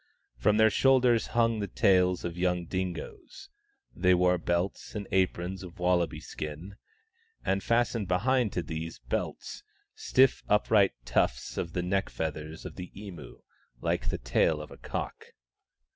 From their shoulders hung the tails of yellow dingos. They wore belts and aprons of wallaby skin, and, fastened behind to these belts, stiff upright tufts of the neck feathers of the emu, like the tail of a cock.